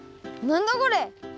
なんだこれ！